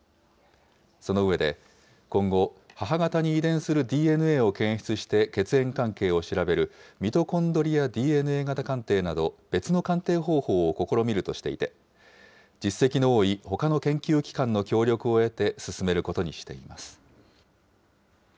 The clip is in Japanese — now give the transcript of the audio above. その上で、今後、母方に遺伝するＤＮＡを検出して、血縁関係を調べる、ミトコンドリアＤＮＡ鑑定など、別の鑑定方法を試みるとしていて、実績の多いほかの研究機関の協力を得て、進めることにしています。